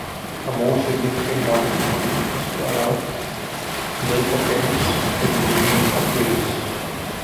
A more significant modification is to allow nilpotents in the sheaf of rings.